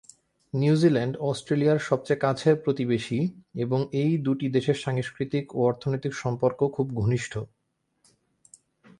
New Zealand অস্ট্রেলিয়ার সবচেয়ে কাছের প্রতিবেশী এবং এই দুটি দেশের সাংস্কৃতিক ও অর্থনৈতিক সম্পর্ক খুব ঘনিষ্ঠ।